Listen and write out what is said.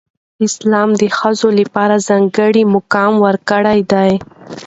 اسلام د ښځو لپاره ځانګړی مقام ورکړی دی.